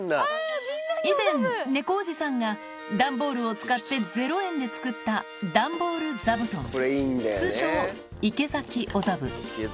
以前、猫おじさんが段ボールを使って０円で作った段ボール座布団、通称、池崎おざぶ。